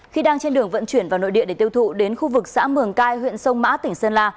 khi đang trên đường vận chuyển vào nội địa để tiêu thụ đến khu vực xã mường cai huyện sông mã tỉnh sơn la